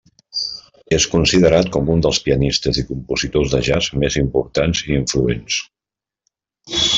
És considerat com un dels pianistes i compositors de jazz més importants i influents.